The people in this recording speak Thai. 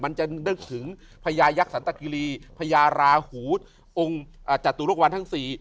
มันจะนึกถึงพญายักษันตะกิรีพญาราหูองค์จตุรกวัลทั้งสี่